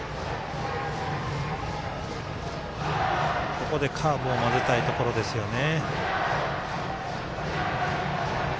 ここでカーブを交ぜたいところですよね。